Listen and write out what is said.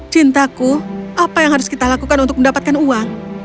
cintaku apa yang harus kita lakukan untuk mendapatkan uang